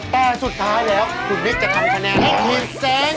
แต่สุดท้ายแล้วคุณบิ๊กจะทำคะแนนให้ทีมเซ้ง